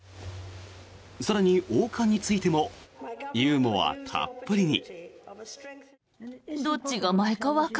更に、王冠についてもユーモアたっぷりに。